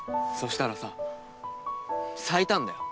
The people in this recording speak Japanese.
したらさ咲いたんだよ